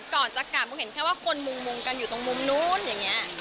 ก่อนจะกลับมึงเห็นแค่ว่าคนมุงกันอยู่ตรงมุมนู้นอย่างนี้